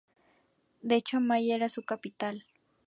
De hecho Amaya era su capital.